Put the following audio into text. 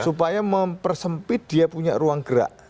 supaya mempersempit dia punya ruang gerak